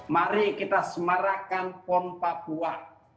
mari kita semarakan pon papua